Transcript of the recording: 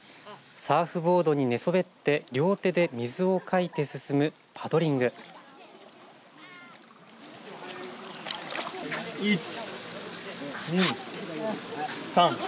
サーフボードに寝そべって両手で水をかいて進むパドリングや１、２、３。